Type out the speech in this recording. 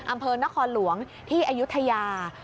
อำเภอนครหลวงที่อายุทยา